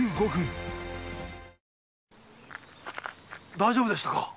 大丈夫でしたか？